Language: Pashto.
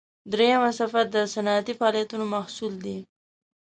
دریمه څپه د صنعتي فعالیتونو محصول دی.